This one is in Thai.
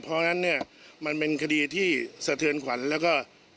เพราะฉะนั้นเนี่ยมันเป็นคดีที่สะเทือนขวัญแล้วก็